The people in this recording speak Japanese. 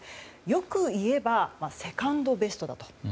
よく言えばセカンドベストだと。